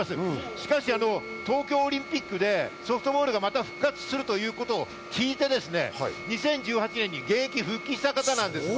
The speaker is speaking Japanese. しかし東京オリンピックでソフトボールがまた復活するということを聞いて２０１８年に現役復帰した方なんです。